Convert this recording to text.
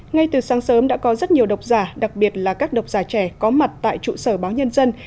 ngay từ sáng sớm đã có rất nhiều độc giả đặc biệt là các độc giả trẻ có mặt tại trụ sở báo nhân dân